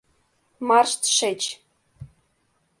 — Марш тышеч!